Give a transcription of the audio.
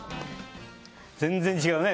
全然違うね。